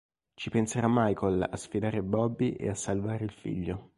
Ci penserà Michael a sfidare Bobby e a salvare il figlio.